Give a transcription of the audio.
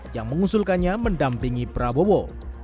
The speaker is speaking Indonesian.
yang mengusulkannya mendampingi prabowo